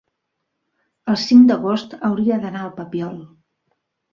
el cinc d'agost hauria d'anar al Papiol.